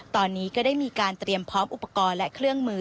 ตอนนี้ก็ได้มีการเตรียมพร้อมอุปกรณ์และเครื่องมือ